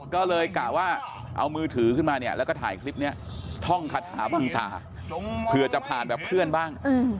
ก็เลยกะว่าเอามือถือขึ้นมาเนี่ยแล้วก็ถ่ายคลิปนี้ท่องคาถาบังตาเผื่อจะผ่านแบบเพื่อนบ้าง